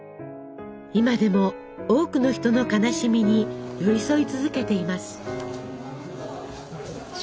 今でも多くの人の悲しみに寄り添い続けています。